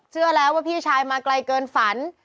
เชื่อแล้วว่าพี่ชายมาไกลเกินฝัน